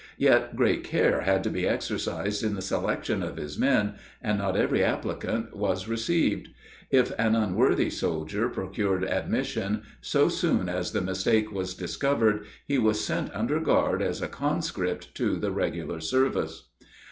Yet great care had to be exercised in the selection of his men, and not every applicant was received. If an unworthy soldier procured admission, so soon as the mistake was discovered he was sent under guard as a conscript to the regular service.